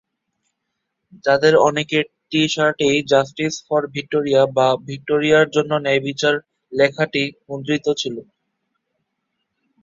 যাদের অনেকের টি-শার্টেই "জাস্টিস ফর ভিক্টোরিয়া" বা "ভিক্টোরিয়ার জন্য ন্যায়বিচার" লেখাটি মুদ্রিত ছিল।